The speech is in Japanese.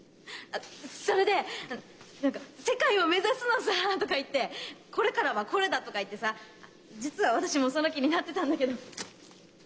それで何か「世界を目指すのさぁ」とか言って「これからはこれだ」とか言ってさぁ実は私もその気になってたんだけど。